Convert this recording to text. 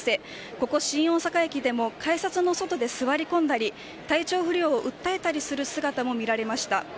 ここ新大阪駅でも改札の外で座り込んだり体調不良を訴えたりする姿もみられました。